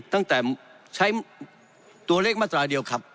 ตั้งแต่ใช้ตัวเลขมาตราเดียวครับ